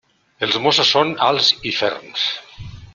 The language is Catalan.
Els mossos són alts i ferms.